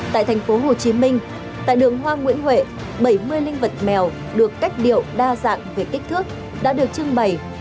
tại thành phố hồ chí minh tại đường hoa nguyễn huệ bảy mươi linh vật mèo được cách điệu đa dạng về kích thước đã được trưng bày